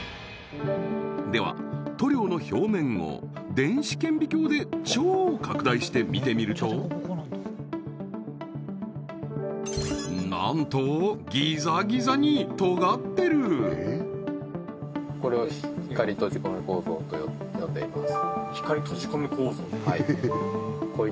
では塗料の表面を電子顕微鏡で超拡大して見てみるとなんとこれを光閉じ込め構造と呼んでいます